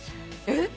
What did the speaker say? えっ？